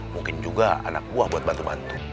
mungkin juga anak buah buat bantu bantu